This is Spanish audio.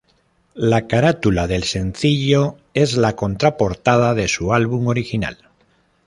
La carátula del sencillo es la contraportada de su álbum original.